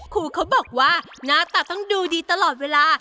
ครูเขาบอกว่าหน้าตาต้องดูดีตลอดเวลา